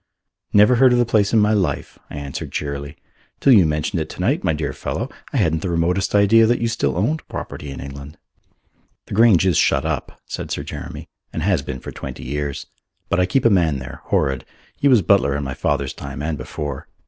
"Never heard of the place in my life," I answered cheerily. "Till you mentioned it to night, my dear fellow, I hadn't the remotest idea that you still owned property in England." "The Grange is shut up," said Sir Jeremy, "and has been for twenty years. But I keep a man there Horrod he was butler in my father's time and before.